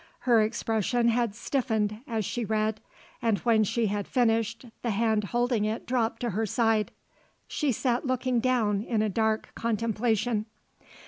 Her expression had stiffened as she read, and when she had finished the hand holding it dropped to her side. She sat looking down in a dark contemplation.